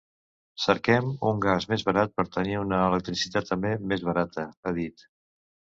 Cerquem un gas més barat per tenir una electricitat també més barata, ha dit.